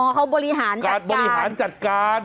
เขาบริหารการบริหารจัดการ